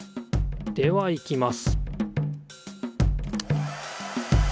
ではいきます